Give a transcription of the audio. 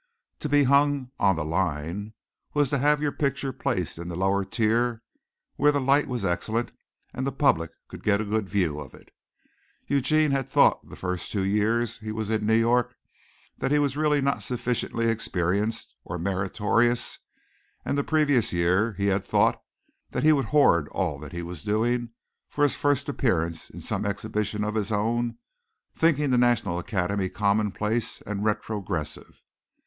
To be hung "on the line" was to have your picture placed in the lower tier where the light was excellent and the public could get a good view of it. Eugene had thought the first two years he was in New York that he was really not sufficiently experienced or meritorious, and the previous year he had thought that he would hoard all that he was doing for his first appearance in some exhibition of his own, thinking the National Academy commonplace and retrogressive.